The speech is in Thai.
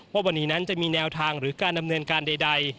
ว่าวันนี้นั้นจะมีแนวทางหรือการดำเนินการใด